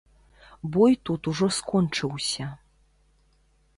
Бой тут ужо скончыўся.